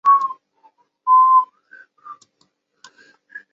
文森在校期间做过零工。